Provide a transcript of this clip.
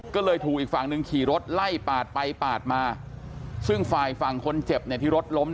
ก็เลยถูกอีกฝั่งหนึ่งขี่รถไล่ปาดไปปาดมาซึ่งฝ่ายฝั่งคนเจ็บเนี่ยที่รถล้ม